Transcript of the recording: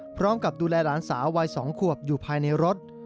พร้อมกับดูแลหลานสาววัย๒ขวบอยู่ภายในรถ